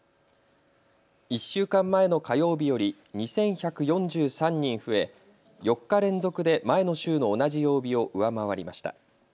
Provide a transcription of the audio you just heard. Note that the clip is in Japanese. １週間前の火曜日より２１４３人増え、４日連続で前の週の同じ曜日を上回りました。